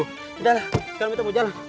udah lah kalau beta mau jalan